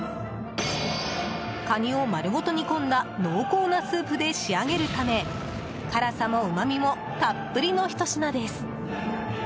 カニを丸ごと煮込んだ濃厚なスープで仕上げるため辛さもうまみもたっぷりのひと品です。